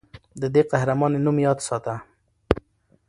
د دې قهرمانې نوم یاد ساته.